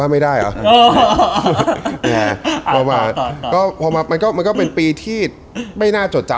อ้าวแล้วก็ไปพ่ายเปงไปพ่ายน้องมันอีก